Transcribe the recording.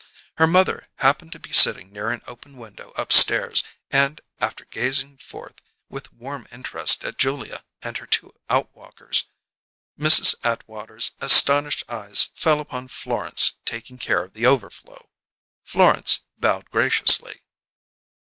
Her mother happened to be sitting near an open window upstairs, and, after gazing forth with warm interest at Julia and her two outwalkers, Mrs. Atwater's astonished eyes fell upon Florence taking care of the overflow. Florence bowed graciously.